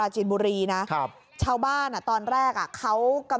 จะเผื่อเค้าหักหรือเปล่า